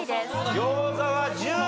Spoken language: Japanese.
餃子は１０位。